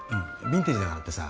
ビンテージだからってさ